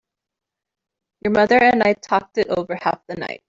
Your mother and I talked it over half the night.